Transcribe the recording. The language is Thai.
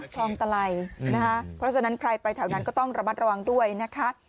คลองตะไลนะคะเพราะฉะนั้นใครไปแถวนั้นก็ต้องระมัดระวังด้วยนะคะ